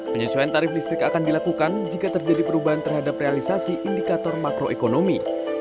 penyesuaian tarif listrik akan dilakukan jika terjadi perubahan terhadap realisasi indikator makroekonomi